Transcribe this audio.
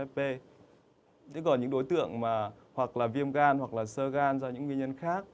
thế còn những đối tượng mà hoặc là viêm gan hoặc là sơ gan do những nguyên nhân khác